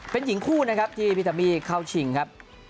เป็นหญิงคู่นะครับที่พี่ตามี่เข้าชิงครับ